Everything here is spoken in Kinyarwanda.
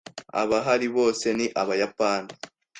Abahari bose ni abayapani.